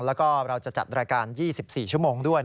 แล้วก็เราจะจัดรายการ๒๔ชั่วโมงด้วย